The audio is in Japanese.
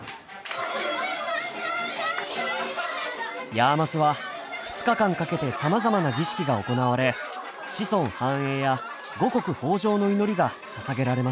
ヤーマスは２日間かけてさまざまな儀式が行われ子孫繁栄や五穀豊穣の祈りがささげられます。